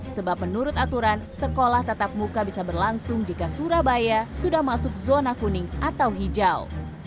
sebab menurut aturan sekolah tatap muka bisa berlangsung jika surabaya sudah masuk zona kuning atau hijau